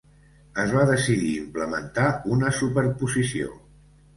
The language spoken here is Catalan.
Es va decidir implementar una superposició.